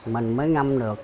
mình mới ngâm được